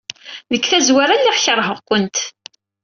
Deg tazwara, lliɣ keṛheɣ-kent.